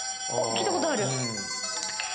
聞いたことある！